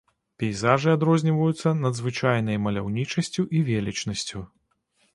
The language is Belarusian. Пейзажы адрозніваюцца надзвычайнай маляўнічасцю і велічнасцю.